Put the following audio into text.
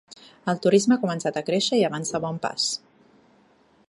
El turisme ha començat a créixer i avança a bon pas.